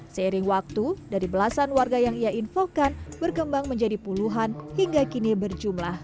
seiring waktu dari belasan warga yang ia infokan berkembang menjadi puluhan hingga kini berjumlah